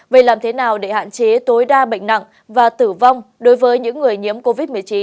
vậy làm thế nào để hạn chế tối đa bệnh nặng và tử vong đối với những người nhiễm covid một mươi chín